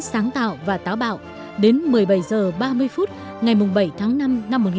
sáng tạo và táo bạo đến một mươi bảy h ba mươi phút ngày bảy tháng năm năm một nghìn chín trăm bốn mươi năm